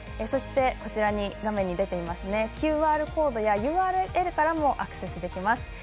そして、画面に出ているＱＲコードやＵＲＬからもアクセスできます。